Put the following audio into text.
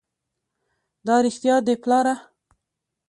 دا رښتيا دي پلاره!